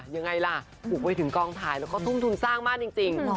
ยังไงล่ะบุกไปถึงกองถ่ายแล้วก็ทุ่มทุนสร้างมากจริง